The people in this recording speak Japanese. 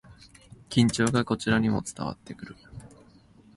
緊張がこちらにも伝わってくる